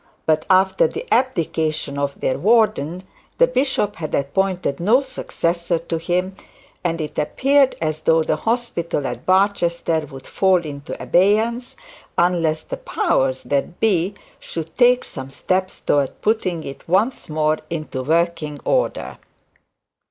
But after the abdication of their warden, the bishop had appointed no successor to him, and it appeared as though the hospital at Barchester would fall into abeyance, unless the powers that be should take some steps towards putting it once more into working order.